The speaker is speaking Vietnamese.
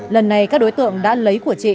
lần này các đối tượng đã lấy của chị